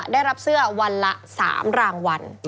ได้รับเสื้อวันละ๓รางวัล